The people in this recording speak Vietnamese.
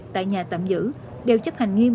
tại nhà tạm giữ đều chấp hành nghiêm